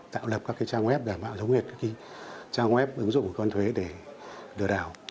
tạo lập các trang web giả mạo giống như trang web ứng dụng của quân thuế để lừa đảo